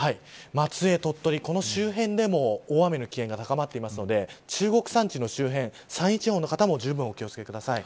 松江、鳥取、この周辺でも大雨の危険が高まっているので中国山地の周辺山陰地方の方もじゅうぶんお気を付けください。